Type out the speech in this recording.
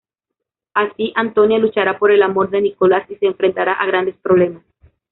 Así, Antonia luchará por el amor de Nicolás y se enfrentará a grandes problemas.